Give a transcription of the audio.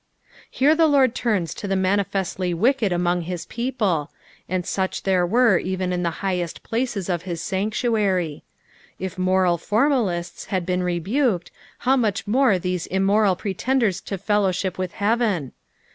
Here the Lord turns to the manifestly wicked among his people ; and such there were even in the highest places of his sanctuary. If moral formalists had been rebuked, how much more these immoral pretenders to fellowship with heaven